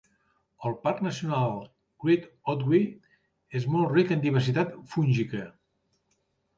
El parc nacional Great Otway és molt ric en diversitat fúngica.